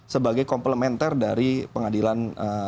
sebagai komplementer dari pengadilan